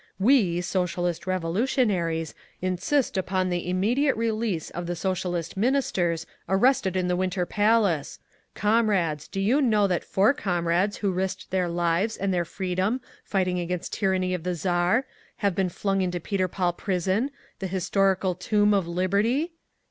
"We, Socialist Revolutionaries, insist upon the immediate release of the Socialist Ministers arrested in the Winter Palace! Comrades! Do you know that four comrades who risked their lives and their freedom fighting against tyranny of the Tsar, have been flung into Peter Paul prison—the historical tomb of Liberty?"